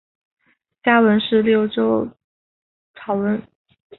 家纹是六鸠酢草纹。